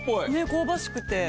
香ばしくて。